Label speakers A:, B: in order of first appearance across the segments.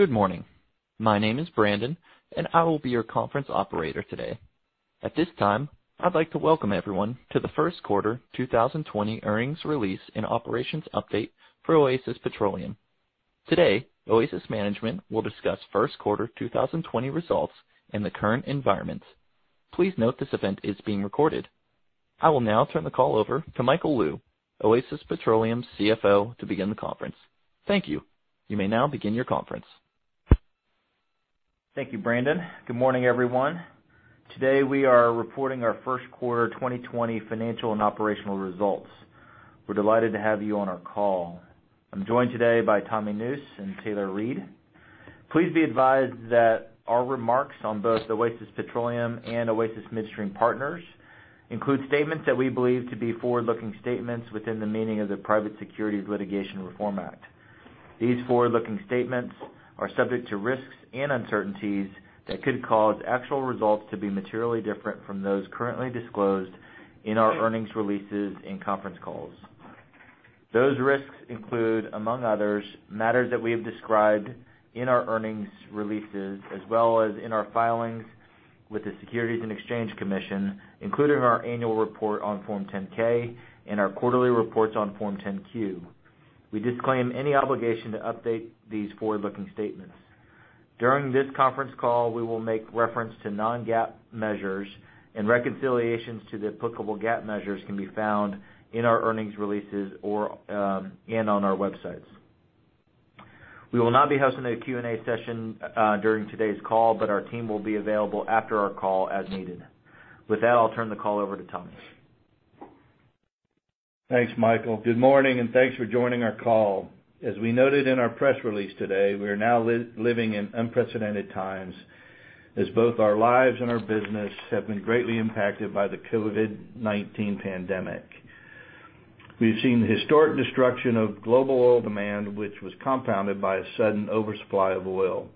A: Good morning. My name is Brandon, and I will be your conference operator today. At this time, I'd like to welcome everyone to the first quarter 2020 earnings release and operations update for Oasis Petroleum. Today, Oasis management will discuss first quarter 2020 results and the current environments. Please note this event is being recorded. I will now turn the call over to Michael Lou, Oasis Petroleum's CFO, to begin the conference. Thank you. You may now begin your conference.
B: Thank you, Brandon. Good morning, everyone. Today, we are reporting our first quarter 2020 financial and operational results. We're delighted to have you on our call. I'm joined today by Tommy Nusz and Taylor Reid. Please be advised that our remarks on both Oasis Petroleum and Oasis Midstream Partners include statements that we believe to be forward-looking statements within the meaning of the Private Securities Litigation Reform Act. These forward-looking statements are subject to risks and uncertainties that could cause actual results to be materially different from those currently disclosed in our earnings releases and conference calls. Those risks include, among others, matters that we have described in our earnings releases as well as in our filings with the Securities and Exchange Commission, including our annual report on Form 10-K and our quarterly reports on Form 10-Q. We disclaim any obligation to update these forward-looking statements. During this conference call, we will make reference to non-GAAP measures and reconciliations to the applicable GAAP measures can be found in our earnings releases and on our websites. We will not be hosting a Q&A session during today's call, but our team will be available after our call as needed. With that, I'll turn the call over to Tommy.
C: Thanks, Michael. Good morning, and thanks for joining our call. As we noted in our press release today, we are now living in unprecedented times as both our lives and our business have been greatly impacted by the COVID-19 pandemic. We've seen the historic destruction of global oil demand, which was compounded by a sudden oversupply of oil.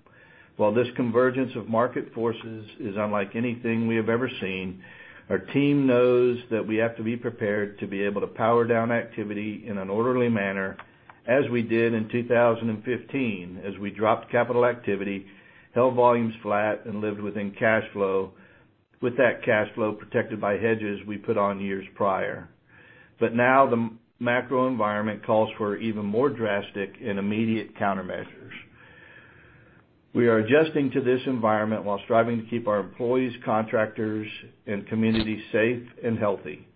C: While this convergence of market forces is unlike anything we have ever seen, our team knows that we have to be prepared to be able to power down activity in an orderly manner, as we did in 2015, as we dropped capital activity, held volumes flat, and lived within cash flow, with that cash flow protected by hedges we put on years prior. Now the macro environment calls for even more drastic and immediate countermeasures. We are adjusting to this environment while striving to keep our employees, contractors, and communities safe and healthy.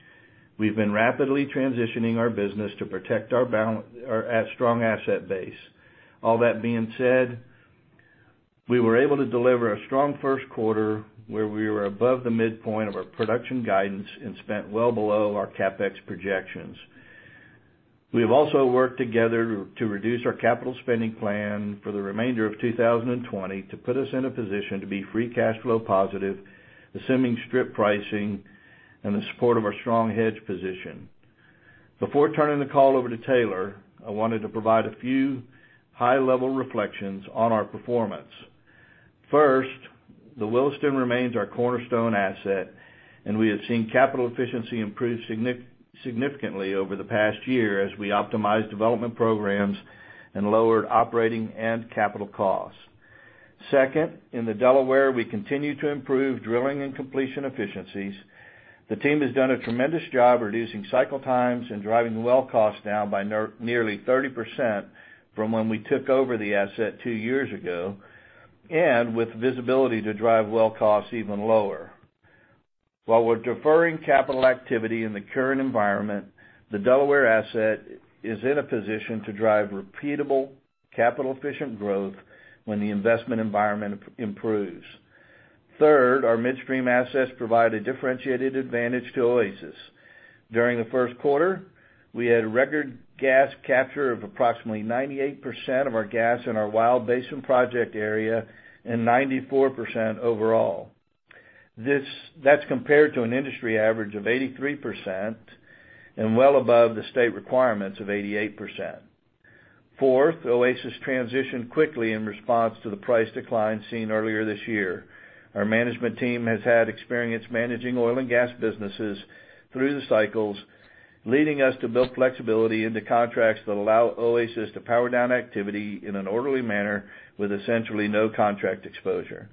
C: We've been rapidly transitioning our business to protect our strong asset base. All that being said, we were able to deliver a strong first quarter where we were above the midpoint of our production guidance and spent well below our CapEx projections. We have also worked together to reduce our capital spending plan for the remainder of 2020 to put us in a position to be free cash flow positive, assuming strip pricing and the support of our strong hedge position. Before turning the call over to Taylor, I wanted to provide a few high-level reflections on our performance. First, the Williston remains our cornerstone asset, and we have seen capital efficiency improve significantly over the past year as we optimized development programs and lowered operating and capital costs. Second, in the Delaware, we continue to improve drilling and completion efficiencies. The team has done a tremendous job reducing cycle times and driving the well cost down by nearly 30% from when we took over the asset two years ago, and with visibility to drive well costs even lower. While we're deferring capital activity in the current environment, the Delaware asset is in a position to drive repeatable, capital-efficient growth when the investment environment improves. Third, our midstream assets provide a differentiated advantage to Oasis. During the first quarter, we had a record gas capture of approximately 98% of our gas in our Wild Basin project area and 94% overall. That's compared to an industry average of 83% and well above the state requirements of 88%. Fourth, Oasis transitioned quickly in response to the price decline seen earlier this year. Our management team has had experience managing oil and gas businesses through the cycles, leading us to build flexibility into contracts that allow Oasis to power down activity in an orderly manner with essentially no contract exposure.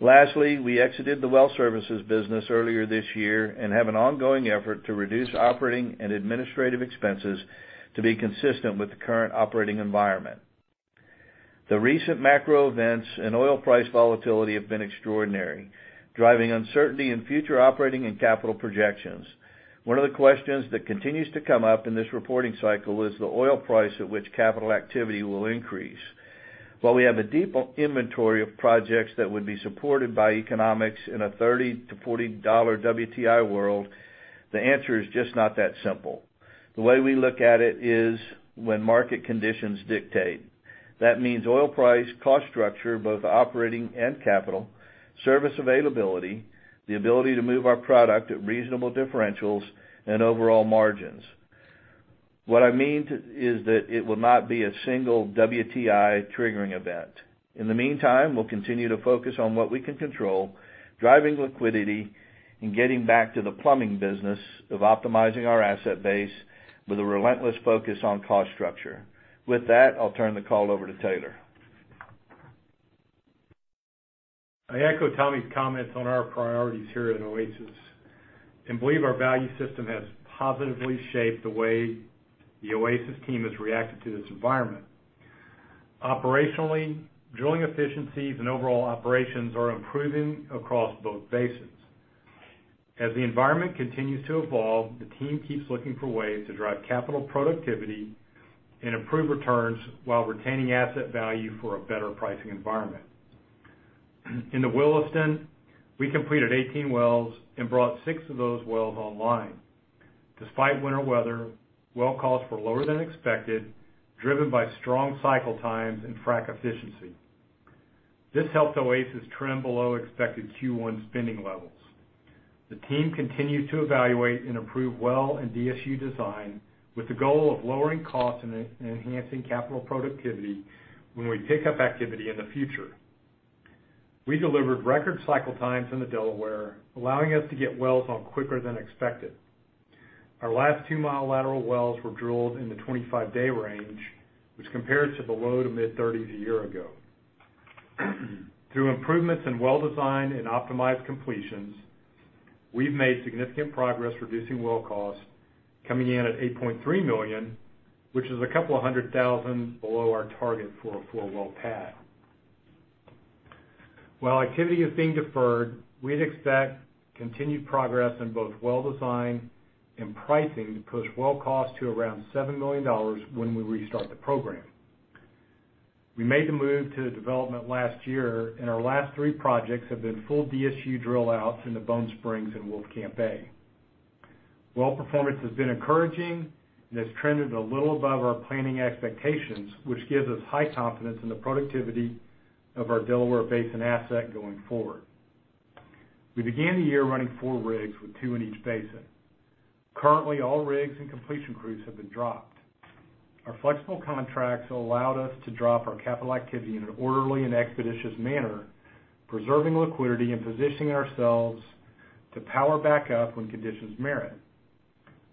C: Lastly, we exited the well services business earlier this year and have an ongoing effort to reduce operating and administrative expenses to be consistent with the current operating environment. The recent macro events and oil price volatility have been extraordinary, driving uncertainty in future operating and capital projections. One of the questions that continues to come up in this reporting cycle is the oil price at which capital activity will increase. While we have a deep inventory of projects that would be supported by economics in a $30-$40 WTI world, the answer is just not that simple. The way we look at it is when market conditions dictate. That means oil price, cost structure, both operating and capital, service availability, the ability to move our product at reasonable differentials, and overall margins. What I mean is that it will not be a single WTI triggering event. In the meantime, we'll continue to focus on what we can control, driving liquidity, and getting back to the plumbing business of optimizing our asset base with a relentless focus on cost structure. With that, I'll turn the call over to Taylor.
D: I echo Tommy's comments on our priorities here at Oasis, and believe our value system has positively shaped the way the Oasis team has reacted to this environment. Operationally, drilling efficiencies and overall operations are improving across both basins. As the environment continues to evolve, the team keeps looking for ways to drive capital productivity and improve returns while retaining asset value for a better pricing environment. In the Williston, we completed 18 wells and brought six of those wells online. Despite winter weather, well costs were lower than expected, driven by strong cycle times and frac efficiency. This helped Oasis trend below expected Q1 spending levels. The team continued to evaluate and approve well and DSU design with the goal of lowering costs and enhancing capital productivity when we pick up activity in the future. We delivered record cycle times in the Delaware, allowing us to get wells on quicker than expected. Our last two multilateral wells were drilled in the 25-day range, which compared to below to mid-30s a year ago. Through improvements in well design and optimized completions, we've made significant progress reducing well costs, coming in at $8.3 million, which is $200,000 below our target for a four-well pad. While activity is being deferred, we'd expect continued progress in both well design and pricing to push well costs to around $7 million when we restart the program. We made the move to the development last year, our last three projects have been full DSU drill outs in the Bone Spring and Wolfcamp A. Well performance has been encouraging and has trended a little above our planning expectations, which gives us high confidence in the productivity of our Delaware Basin asset going forward. We began the year running four rigs with two in each basin. Currently, all rigs and completion crews have been dropped. Our flexible contracts allowed us to drop our capital activity in an orderly and expeditious manner, preserving liquidity and positioning ourselves to power back up when conditions merit.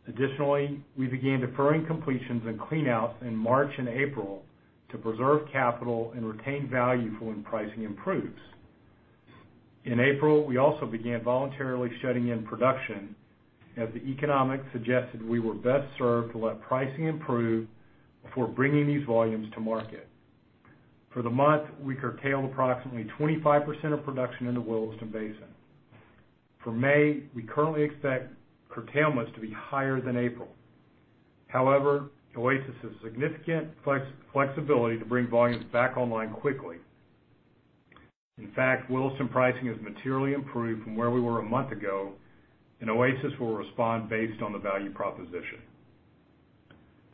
D: Additionally, we began deferring completions and cleanouts in March and April to preserve capital and retain value for when pricing improves. In April, we also began voluntarily shutting in production as the economics suggested we were best served to let pricing improve before bringing these volumes to market. For the month, we curtailed approximately 25% of production in the Williston Basin. For May, we currently expect curtailments to be higher than April. However, Oasis has significant flexibility to bring volumes back online quickly. In fact, Williston pricing has materially improved from where we were a month ago, and Oasis will respond based on the value proposition.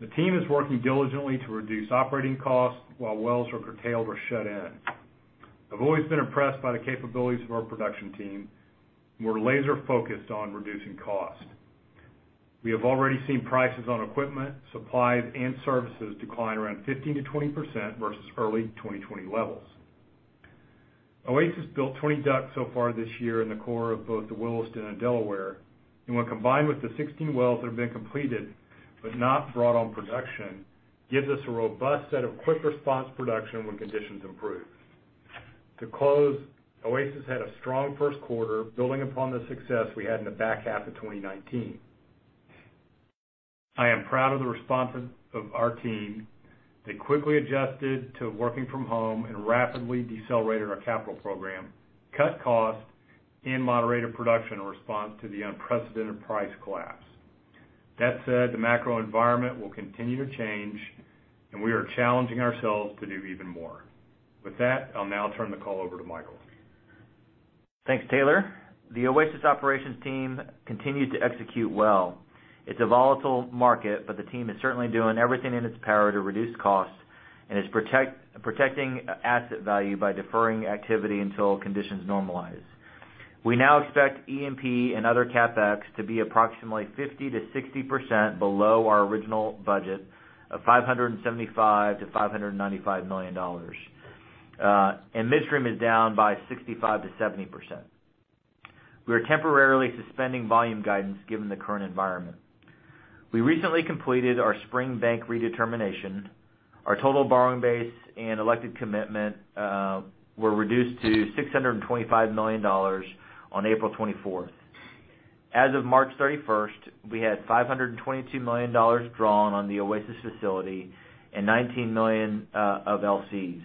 D: The team is working diligently to reduce operating costs while wells are curtailed or shut in. I've always been impressed by the capabilities of our production team. We're laser-focused on reducing cost. We have already seen prices on equipment, supplies, and services decline around 15%-20% versus early 2020 levels. Oasis built 20 DUCs so far this year in the core of both the Williston and Delaware, and when combined with the 16 wells that have been completed but not brought on production, gives us a robust set of quick response production when conditions improve. To close, Oasis had a strong first quarter building upon the success we had in the back half of 2019. I am proud of the response of our team. They quickly adjusted to working from home and rapidly decelerated our capital program, cut costs, and moderated production in response to the unprecedented price collapse. That said, the macro environment will continue to change, and we are challenging ourselves to do even more. With that, I'll now turn the call over to Michael.
B: Thanks, Taylor. The Oasis operations team continued to execute well. It's a volatile market, but the team is certainly doing everything in its power to reduce costs and is protecting asset value by deferring activity until conditions normalize. We now expect E&P and other CapEx to be approximately 50%-60% below our original budget of $575 million-$595 million. Midstream is down by 65%-70%. We are temporarily suspending volume guidance given the current environment. We recently completed our spring bank redetermination. Our total borrowing base and elected commitment were reduced to $625 million on April 24th. As of March 31st, we had $522 million drawn on the Oasis facility and $19 million of LCs.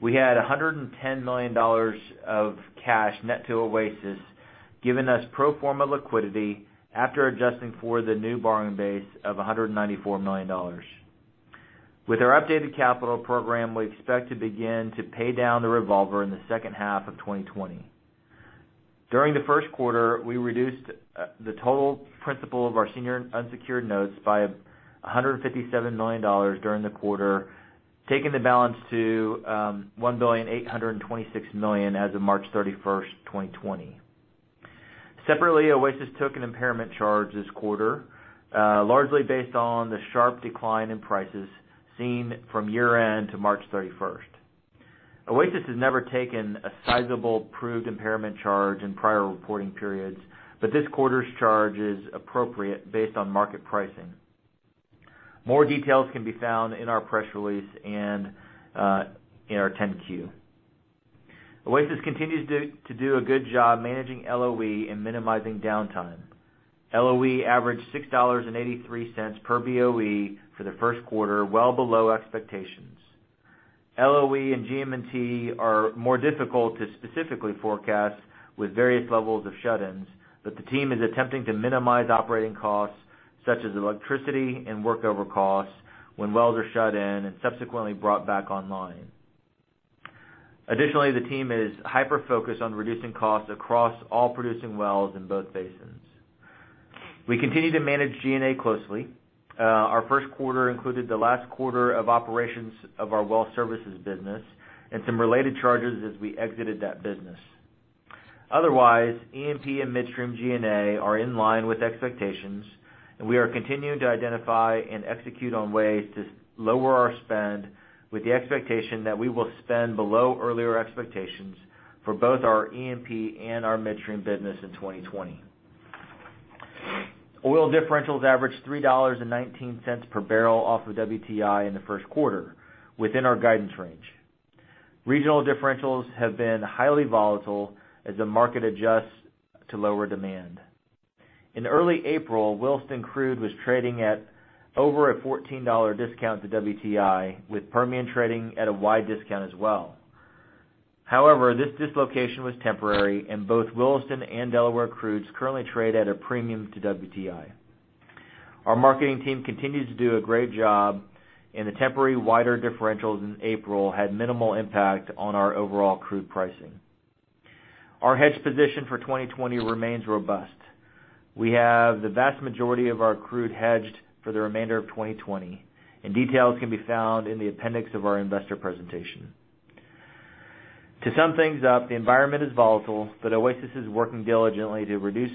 B: We had $110 million of cash net to Oasis, giving us pro forma liquidity after adjusting for the new borrowing base of $194 million. With our updated capital program, we expect to begin to pay down the revolver in the second half of 2020. During the first quarter, we reduced the total principal of our senior unsecured notes by $157 million during the quarter, taking the balance to $1,826 million as of March 31st, 2020. Separately, Oasis took an impairment charge this quarter, largely based on the sharp decline in prices seen from year-end to March 31st. Oasis has never taken a sizable proved impairment charge in prior reporting periods, but this quarter's charge is appropriate based on market pricing. More details can be found in our press release and in our 10-Q. Oasis continues to do a good job managing LOE and minimizing downtime. LOE averaged $6.83 per BOE for the first quarter, well below expectations. LOE and GM&T are more difficult to specifically forecast with various levels of shut-ins, but the team is attempting to minimize operating costs such as electricity and workover costs when wells are shut in and subsequently brought back online. Additionally, the team is hyper-focused on reducing costs across all producing wells in both basins. We continue to manage G&A closely. Our first quarter included the last quarter of operations of our well services business and some related charges as we exited that business. Otherwise, E&P and midstream G&A are in line with expectations, and we are continuing to identify and execute on ways to lower our spend with the expectation that we will spend below earlier expectations for both our E&P and our midstream business in 2020. Oil differentials averaged $3.19 per barrel off of WTI in the first quarter within our guidance range. Regional differentials have been highly volatile as the market adjusts to lower demand. In early April, Williston crude was trading at over a $14 discount to WTI, with Permian trading at a wide discount as well. However, this dislocation was temporary, and both Williston and Delaware crudes currently trade at a premium to WTI. Our marketing team continues to do a great job, and the temporary wider differentials in April had minimal impact on our overall crude pricing. Our hedge position for 2020 remains robust. We have the vast majority of our crude hedged for the remainder of 2020, and details can be found in the appendix of our investor presentation. To sum things up, the environment is volatile, but Oasis is working diligently to reduce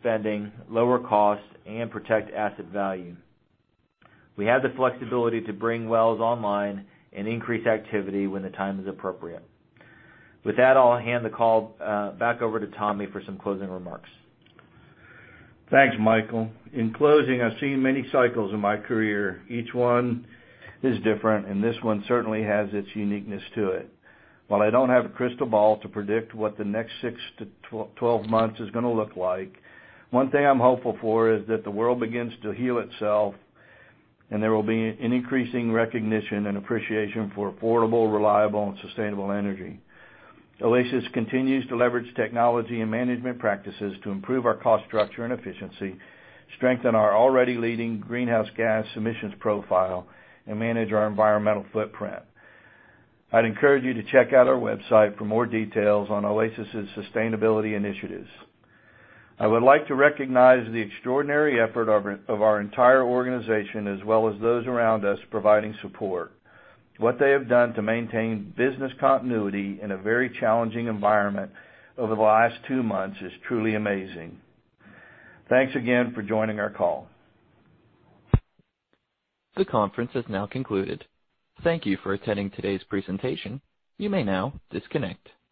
B: spending, lower costs, and protect asset value. We have the flexibility to bring wells online and increase activity when the time is appropriate. With that, I'll hand the call back over to Tommy for some closing remarks.
C: Thanks, Michael. In closing, I've seen many cycles in my career. Each one is different, and this one certainly has its uniqueness to it. While I don't have a crystal ball to predict what the next 6-12 months is going to look like, one thing I'm hopeful for is that the world begins to heal itself and there will be an increasing recognition and appreciation for affordable, reliable, and sustainable energy. Oasis continues to leverage technology and management practices to improve our cost structure and efficiency, strengthen our already leading greenhouse gas emissions profile, and manage our environmental footprint. I'd encourage you to check out our website for more details on Oasis's sustainability initiatives. I would like to recognize the extraordinary effort of our entire organization as well as those around us providing support. What they have done to maintain business continuity in a very challenging environment over the last two months is truly amazing. Thanks again for joining our call.
A: The conference has now concluded. Thank you for attending today's presentation. You may now disconnect.